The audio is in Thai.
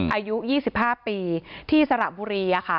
อายุ๒๕ปีที่สระบุรี